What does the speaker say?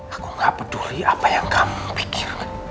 aku gak peduli apa yang kamu pikirkan